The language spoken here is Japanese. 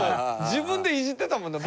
自分でイジってたもんね